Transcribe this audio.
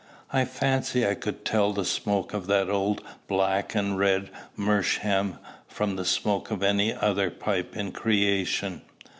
I fancy I could tell the smoke of that old black and red meerschaum from the smoke of any other pipe in creation.